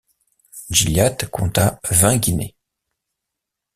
Gilliatt compta vingt guinées.